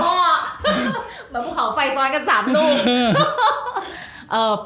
เหมือนพวกเขาไฟซ้อนกันสามนุ่ง